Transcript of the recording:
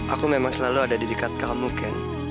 aku memang selalu ada di dekat kamu kan